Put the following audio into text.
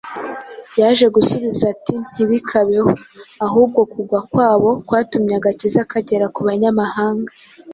yaje gusubiza ati:“Ntibikabeho! Ahubwo kugwa kwabo kwatumye agakiza kagera ku banyamahanga,